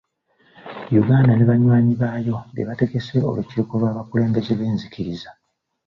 Uganda ne banywanyi baayo be bategese olukiiko lw’abakulembeze b’enzikiriza.